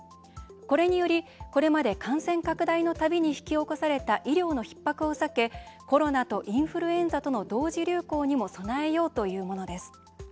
これにより、これまで感染拡大のたびに引き起こされた医療のひっ迫を避けコロナとインフルエンザとの同時流行にも備えようというものです。